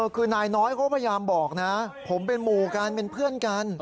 คือนายน้อยเขาพยายามบอกนะผมเป็นหมู่กันเป็นเพื่อนกัน